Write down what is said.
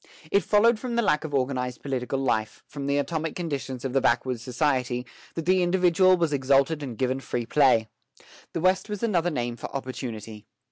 It followed from the lack of organized political life, from the atomic conditions of the backwoods society, that the individual was exalted and given free play. The West was another name for opportunity.